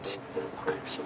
分かりました。